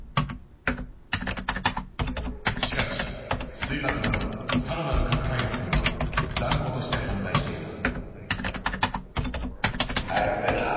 しかし水爆など更なる核開発には断固として反対していた。